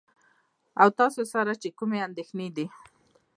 او تاسره چې کومې اندېښنې دي .